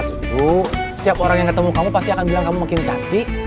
ibu setiap orang yang ketemu kamu pasti akan bilang kamu makin cantik